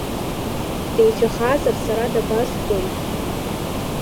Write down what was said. Деицәахазар, сара дабазбои?